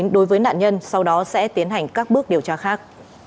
đối với nạn nhân sau đó sẽ tiến hành các bước điều tra khác